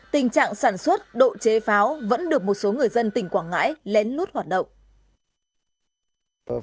tình trạng sản xuất độ chế pháo vẫn được một số người dân tỉnh quảng ngãi lén lút hoạt động